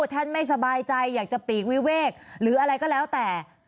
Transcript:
ท่านไม่สบายใจอยากจะปีกวิเวกหรืออะไรก็แล้วแต่